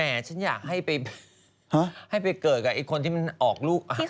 ฉันอยากให้ไปให้ไปเกิดกับไอ้คนที่มันออกลูก